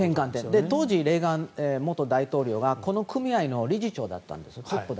当時レーガン元大統領がこの組合の理事長だったんですね。